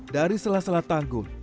dari selas selas tanggung